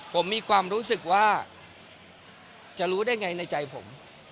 ผมมีความรู้สึกว่าจะรู้ได้ไงในใจผม